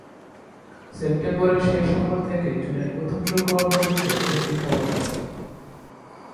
সেপ্টেম্বরের শেষ সোমবার থেকে জুনের প্রথম শুক্রবার পর্যন্ত এর শিক্ষাবর্ষ।